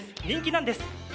人気なんです。